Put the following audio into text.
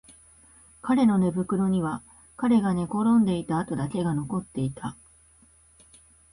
彼の寝袋には彼が寝転んでいた跡だけが残っていた